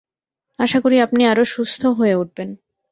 আশা করি আপনি আরও সুস্থ হয়ে উঠবেন।